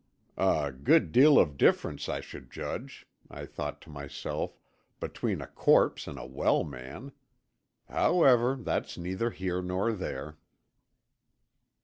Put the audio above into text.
"A good deal of difference, I should judge," I thought to myself, "between a corpse and a well man. However, that's neither here nor there."